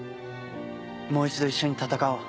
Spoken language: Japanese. もう一度一緒に戦おう。